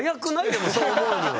でもそう思うには。